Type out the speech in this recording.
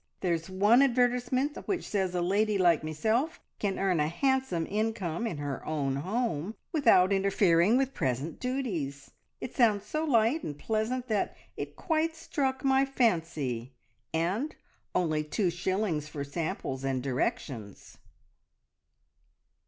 There's one advertisement which says a lady like meself can earn a handsome income in her own home, without interfering with present duties. It sounds so light and pleasant that it quite struck my fancy; and only two shillings for samples and directions!"